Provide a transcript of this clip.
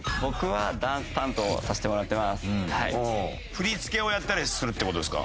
振り付けをやったりするって事ですか？